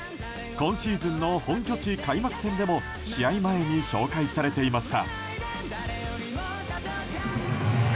今シーズンの本拠地開幕戦でも試合前に紹介されていました。